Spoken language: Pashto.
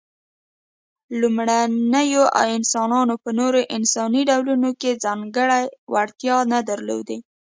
لومړنيو انسانانو په نورو انساني ډولونو کې ځانګړې وړتیا نه درلودلې.